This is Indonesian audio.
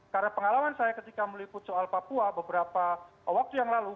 karena pengalaman saya ketika meliput soal papua beberapa waktu yang lalu